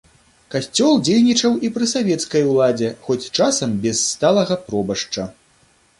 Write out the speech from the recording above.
Касцёл дзейнічаў і пры савецкай уладзе, хоць часам без сталага пробашча.